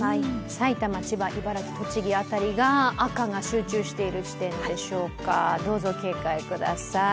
埼玉、千葉、栃木辺りが赤が集中しているところでしょうかどうぞ警戒ください。